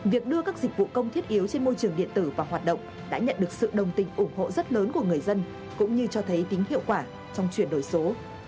việc đưa các dịch vụ công thiết yếu trên môi trường điện tử vào hoạt động đã nhận được sự đồng tình ủng hộ rất lớn của người dân cũng như cho thấy tính hiệu quả trong chuyển đổi số